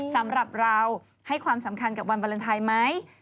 สำหรับเราให้ความสำคัญกับวันวาเลนไทยไหม